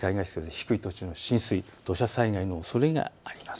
低い土地の浸水、土砂災害のおそれがあります。